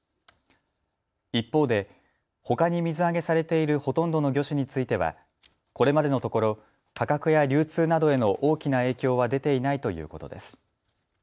一方でほかに水揚げされているほとんどの魚種についてはこれまでのところ価格や流通などへの大きな影響は出ていないということです。